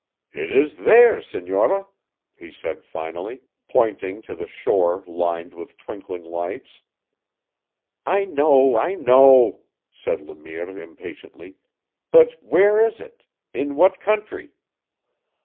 "It is there, senora," he said finally, pointing to the shore lined with twinkling lights. "I know, I know," said Le Mire impatiently; "but where is it? In what country?"